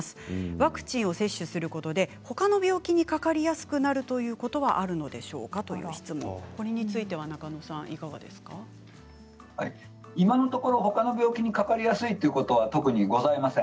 ワクチンを接種することでほかの病気にかかりやすくなるということは今のところ、ほかの病気にかかりやすいということは特にございません。